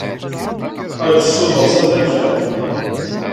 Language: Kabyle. Ad k-ssiwḍeɣ sanda n kra.